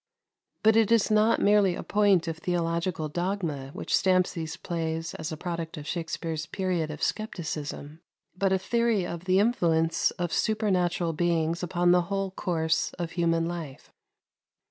But it is not merely a point of theological dogma which stamps these plays as the product of Shakspere's period of scepticism, but a theory of the influence of supernatural beings upon the whole course of human life.